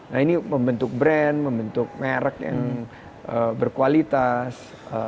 nah ini membentuk brand membentuk merek yang berkualitas